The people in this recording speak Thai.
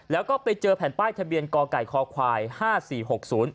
แล้วก็ไปเจอแผ่นป้ายทะเบียนก่อไก่คอควายห้าสี่หกศูนย์